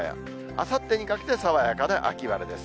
あさってにかけて、爽やかな秋晴れです。